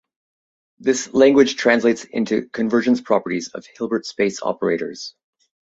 This language translates into convergence properties of Hilbert space operators.